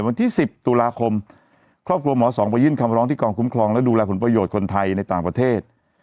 วันที่๑๐ตุลาคมครอบครัวหมอสองไปยื่นคำร้องที่กองคุ้มครองและดูแลผลประโยชน์คนไทยในต่างประเทศ